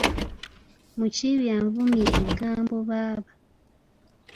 Mukiibi anvumye eggambo baaba!